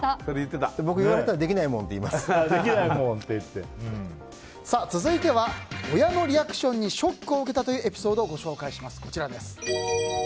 僕、言われたら続いては、親のリアクションにショックを受けたというエピソードをご紹介します。